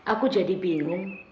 aku jadi bingung